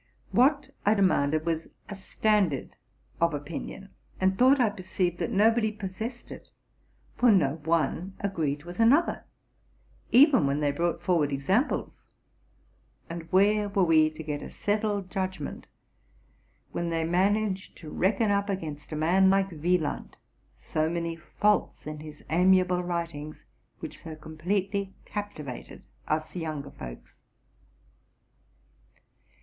What I demanded was a standard of opinion, and thought I perceived that nobody possessed it; for ne RELATING TO MY LIFE. 213 one agreed with another, even when they brought forward examples: and where were we to get a settled judgment, when they managed to reckon up against a man like Wie land so many faults in his amiable writings, which so com pletely captivated us younger folks?